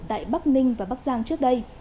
tại bắc ninh và bắc giang trước đây